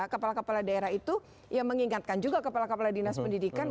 kepala kepala daerah itu ya mengingatkan juga kepala kepala dinas pendidikan